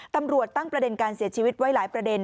ตำรวจตั้งประเด็นการเสียชีวิตไว้หลายประเด็น